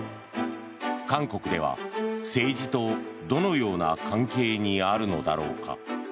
韓国では政治とどのような関係にあるのだろうか。